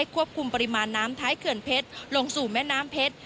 ควบคุมปริมาณน้ำท้ายเขื่อนเพชรลงสู่แม่น้ำเพชร